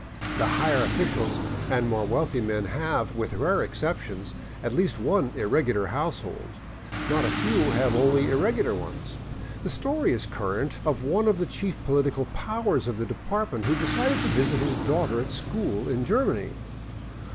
The higher officials and more wealthy men have, with rare exceptions, at least one irregular household; not a few have only irregular ones. The story is current of one of the chief political pow ers of the department who decided to visit his daughter at school in Germany.